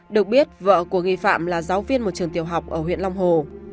được biết vợ của nghi phạm là giáo viên một trường tiểu học ở huyện long hồ